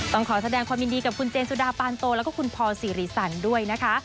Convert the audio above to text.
ต้องขอแสดงความยินดีกับคุณเจนสุดาปานโตแล้วก็คุณพอสิริสันด้วยนะคะ